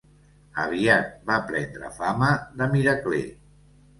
Aviat va prendre fama de miracler.